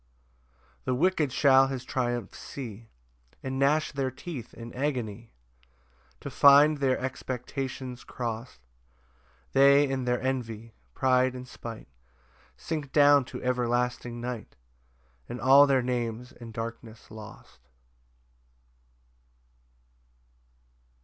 6 The wicked shall his triumph see, And gnash their teeth in agony To find their expectations crost: They and their envy, pride and spite, Sink down to everlasting night, And all their names in darkness lost.